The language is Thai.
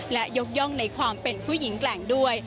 และยกย่องในความเป็นผู้หญิงแกร่งด้วย